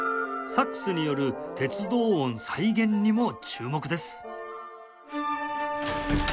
サックスによる鉄道音再現にも注目です